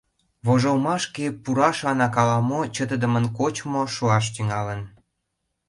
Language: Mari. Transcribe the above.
Вожылмашке пурашланак ала-мо чытыдымын кочмо шуаш тӱҥалын.